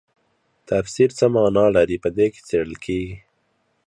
تفسیر څه مانا لري په دې کې څیړل کیږي.